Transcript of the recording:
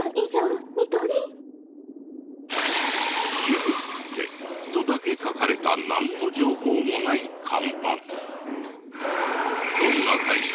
「ユースケ」とだけ書かれたなんの情報もない看板。